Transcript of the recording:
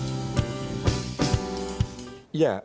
assalamu'alaikum warahmatullahi wabarakatuh